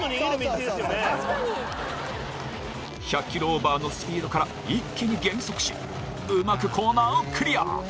１００ｋｍオーバーのスピードから一気に減速しうまくコーナーをクリア。